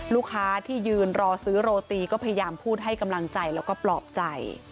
ลูกค้าที่ยืนรอซื้อโรตีก็พยายามพูดให้กำลังใจแล้วก็ปลอบใจ